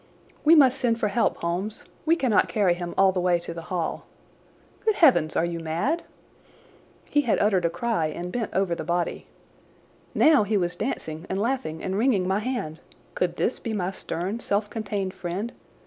"We must send for help, Holmes! We cannot carry him all the way to the Hall. Good heavens, are you mad?" He had uttered a cry and bent over the body. Now he was dancing and laughing and wringing my hand. Could this be my stern, self contained friend?